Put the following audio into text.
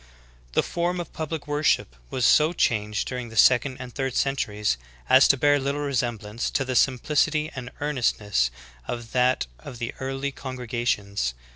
The form of public worhip was so changed during the second and third centuries as to bear little resemblance to the simplicity and earnestness of that of the early congre gations.